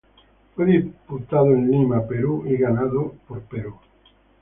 Fue disputado en Lima, Perú y ganado por Perú.